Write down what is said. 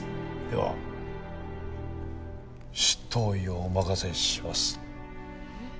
では執刀医をお任せします。え？